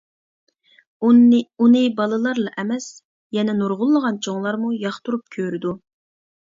ئۇنى بالىلارلا ئەمەس، يەنە نۇرغۇنلىغان چوڭلارمۇ ياقتۇرۇپ كۆرىدۇ.